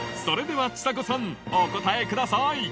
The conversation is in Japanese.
それではちさ子さんお答えください！